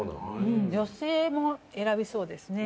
女性も選びそうですね。